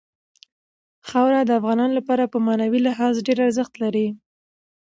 خاوره د افغانانو لپاره په معنوي لحاظ ډېر ارزښت لري.